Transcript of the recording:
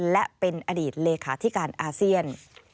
และเป็นอดีตเลขาธิการอาเซียน